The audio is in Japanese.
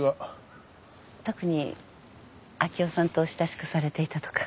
特に明生さんとお親しくされていたとか？